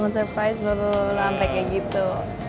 nge surprise baru sampe kayak gitu